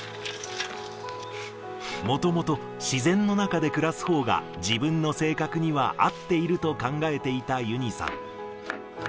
もともと自然の中で暮らすほうが、自分の性格には合っていると考えていたユニさん。